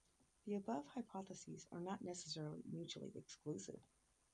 The above hypotheses are not necessarily mutually exclusive.